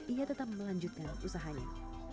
ia tetap melanjutkan usahanya